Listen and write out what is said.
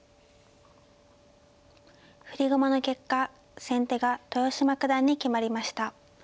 振り駒の結果先手が豊島九段に決まりました。